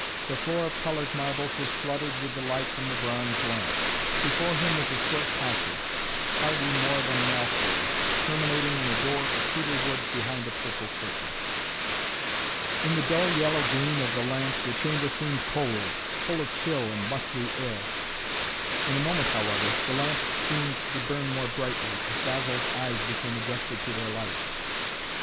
The floor of colored marbles was flooded with the light from the bronze lamps. Before him was a short passage, hardly more than an alcove, terminating in a door of cedarwood behind a purple curtain. In the dull yellow gleam of the lamps the chamber seemed cold, full of chill and musty air. In a moment however the lamps seemed to burn more brightly, as Basil's eyes became adjusted to their lights.